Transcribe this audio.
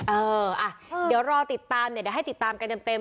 เอออ่ะเดี๋ยวรอติดตามเดี๋ยวให้ติดตามกันเต็ม